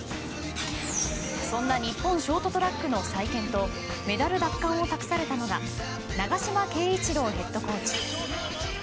そんな日本ショートトラックの再建とメダル奪還を託されたのが長島圭一郎ヘッドコーチ。